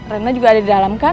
remnya juga ada di dalam kan